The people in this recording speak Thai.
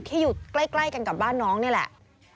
ที่อยู่ใกล้กับบ้านน้องนี่แหละ